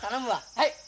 はい。